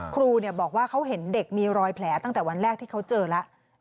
ครูบอกว่าเขาเห็นเด็กมีรอยแผลตั้งแต่วันแรกที่เขาเจอแล้ว